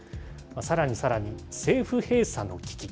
さらにさらに、政府閉鎖の危機。